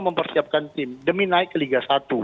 mempersiapkan tim demi naik ke liga satu